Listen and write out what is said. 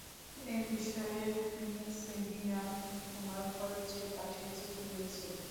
এ বিষয়ে Mr Saviour তোমার খরচ চেয়ে পাঠিয়ে চিঠি লিখছেন।